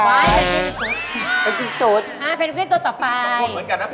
อ้าวเพ็ญกวิ้นตัวต่อไป